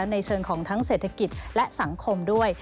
ในเชิงของทั้งเศรษฐกิจและสังคมด้วย